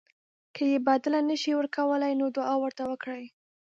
که یې بدله نه شئ ورکولی نو دعا ورته وکړئ.